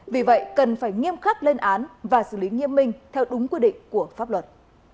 vì vậy cần phải nghiêm khắc lên án và xử lý nghiêm minh theo đúng quy định của pháp luật